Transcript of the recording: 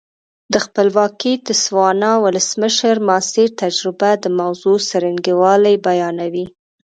د خپلواکې تسوانا ولسمشر ماسیر تجربه د موضوع څرنګوالی بیانوي.